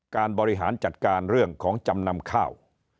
บริหารจัดการเรื่องของจำนำข้าว